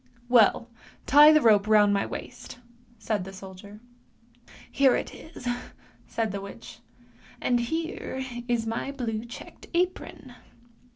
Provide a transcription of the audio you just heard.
"" Well! tie the rope round my waist! " said the soldier. " Here it is," said the witch, " and here is my blue checked apron."